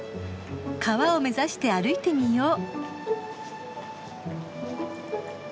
川を目指して歩いてみよう。